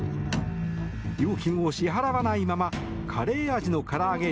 料金を支払わないままカレー味の唐揚げ